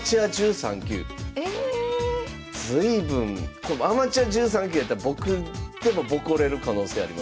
随分アマチュア１３級やったら僕でもボコれる可能性ありますよ。